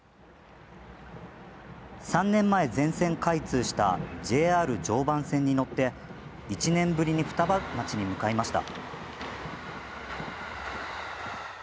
３年前、全線開通したＪＲ常磐線に乗って１年ぶりに双葉町に向かいました。